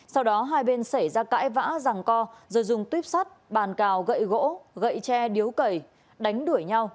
sau đó hai bên xảy ra cãi vã rẳng co rồi dùng tuyếp sắt bàn cào gậy gỗ gậy tre điếu cầy đánh đuổi nhau